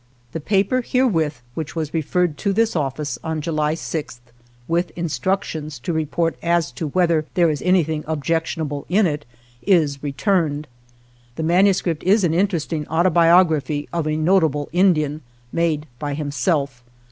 The paper herewith, which was referred to this office on July 6th, with instructions to report as to whether there is anything objectionable in it, is returned. " The manuscript is an interesting autobiography of a notable Indian, made by himself.